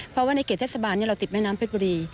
เพราะว่าในเกรดเทศบาลเนี่ยเราติดแม่น้ำเผ็ดบุรี